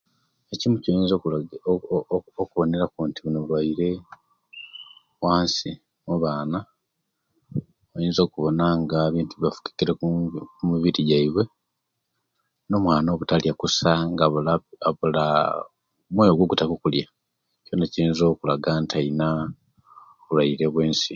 Ekintu ekyo yinza okuboneraku nti buno bulwaire we'nsi omubaana oyinza okubona nti bifutukule okumubiri gwaiye no'mwaana obutalya kusa nga abula ogutaka okulya kyona kiyinza okulaga nti omwaana alina obulwaire bwe'nsi